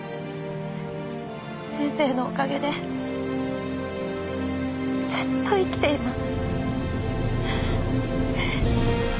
先生のおかげでずっと生きています。